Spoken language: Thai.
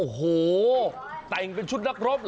โอ้โหแต่งเป็นชุดนักรบเห